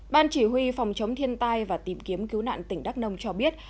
ban chỉ huy phòng chống thiên tai và tìm kiếm cứu nạn tỉnh đắk nông cho biết